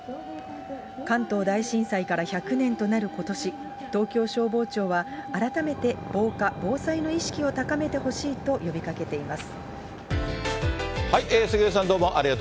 関東大震災から１００年となることし、東京消防庁は、改めて防火・防災の意識を高めてほしいと呼びかけています。